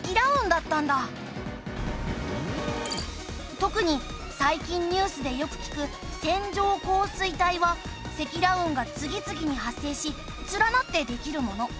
特に最近ニュースでよく聞く線状降水帯は積乱雲が次々に発生し連なってできるもの。